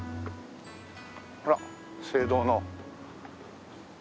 ほら青銅の。